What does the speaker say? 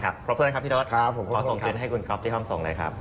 ครบถ้วยนะครับพี่โด๊ธขอส่งเชิญให้คุณก๊อฟที่ห้องทรงเลยครับ